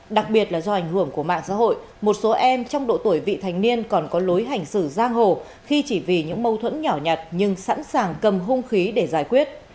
đặc biệt là do ảnh hưởng của mạng xã hội một số em trong độ tuổi vị thành niên còn có lối hành xử giang hồ khi chỉ vì những mâu thuẫn nhỏ nhặt nhưng sẵn sàng cầm hung khí để giải quyết